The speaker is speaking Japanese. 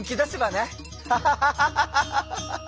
ハハハハハハッ！